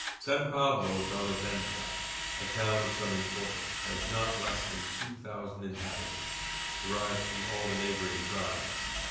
San Pablo d'Olivença, a town of some importance, has not less than two thousand inhabitants, derived from all the neighboring tribes.